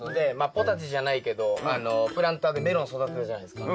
ポタジェじゃないけどプランターでメロン育てたじゃないすか。